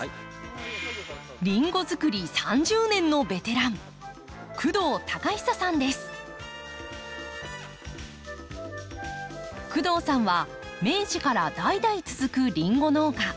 リンゴづくり３０年のベテラン工藤さんは明治から代々続くリンゴ農家。